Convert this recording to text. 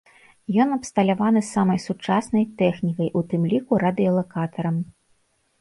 Ён абсталяваны самай сучаснай тэхнікай, у тым ліку радыёлакатарам.